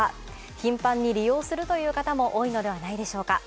頻繁に利用するという方も多いのではないでしょうか。